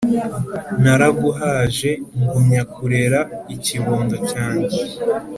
naraguhaje ngumya kurera ikibondo cyanjye